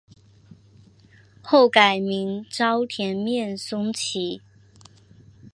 后改名沼田面松斋。